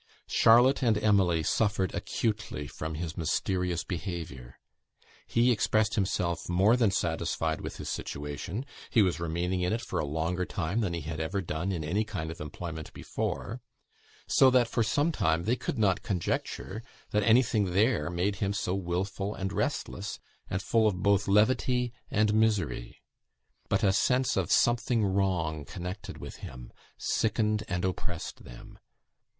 Charlotte and Emily suffered acutely from his mysterious behaviour. He expressed himself more than satisfied with his situation; he was remaining in it for a longer time than he had ever done in any kind of employment before; so that for some time they could not conjecture that anything there made him so wilful, and restless, and full of both levity and misery. But a sense of something wrong connected with him, sickened and oppressed them.